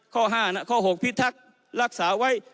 ข้อ๕ข้อ๖พิทักษ์รักษาไว้